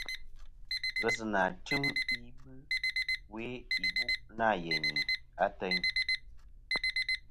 Ghesɨnà tɨm ibɨ we ìbu' nâ yeyni ateyn.